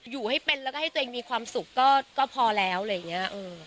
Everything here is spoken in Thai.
อยู่ให้เป็นแล้วก็ให้ตัวเองมีความสุขก็พอแล้วอะไรอย่างนี้